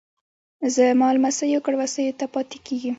زما لمسیو کړوسیو ته پاتیږي